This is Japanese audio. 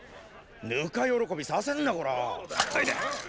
ぬか喜びさせんなコラッ。